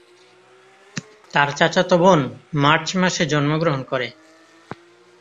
তার চাচাতো বোন মার্চ মাসে জন্মগ্রহণ করে।